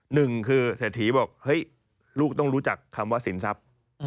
หนึ่งคือเศรษฐีบอกเฮ้ยลูกต้องรู้จักคำว่าสินทรัพย์